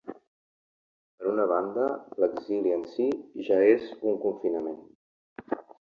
Per una banda, l’exili en si ja és un confinament.